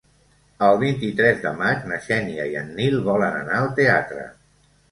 El vint-i-tres de maig na Xènia i en Nil volen anar al teatre.